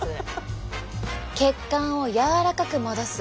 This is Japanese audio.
血管を柔らかく戻す。